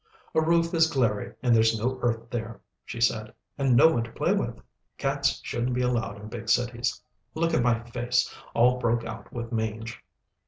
"A roof is glary and there's no earth there," she said, "and no one to play with. Cats shouldn't be allowed in big cities. Look at my face all broke out with mange."